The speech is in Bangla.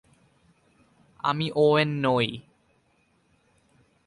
আমি ওয়েন নই।